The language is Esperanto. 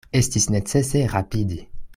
Estis necese rapidi.